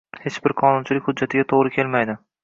hech bir qonunchilik hujjatiga to‘g‘ri kelmaydi.